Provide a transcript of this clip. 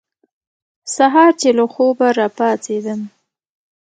سهار چې له خوبه را پاڅېدم.